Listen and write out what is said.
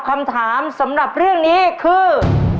คำถามสำหรับเรื่องนี้คือ